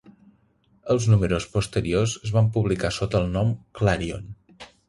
Els números posteriors es van publicar sota el nom "Clarion".